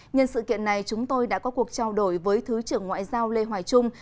nhân sự kiện này chúng tôi đã có cuộc trao đổi với thứ trưởng ngoại giao lê hoài trung